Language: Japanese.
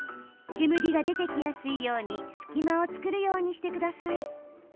煙が出てきやすいように隙間を作るようにしてください。